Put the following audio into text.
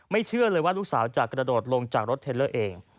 เชื่อเลยว่าลูกสาวจะกระโดดลงจากรถเทลเลอร์เอง